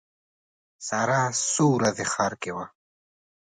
ساره څو ورځې ښار کې وه.